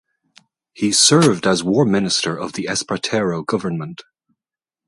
He served as War Minister of the Espartero government.